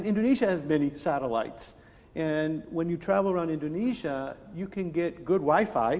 indonesia memiliki banyak satelit dan ketika anda berjalan di seluruh indonesia anda dapat mendapat wi fi yang baik